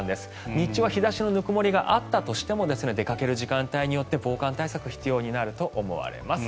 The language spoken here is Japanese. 日中は日差しのぬくもりがあったとしても出かける時間帯によって防寒対策が必要になると思われます。